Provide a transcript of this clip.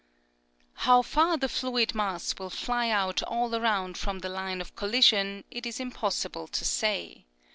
* How far the fluid mass will fly out all around from the line of collision it is impossible to say.